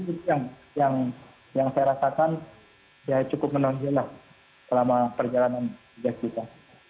mungkin itu yang saya rasakan cukup menonjol lah selama perjalanan jas kita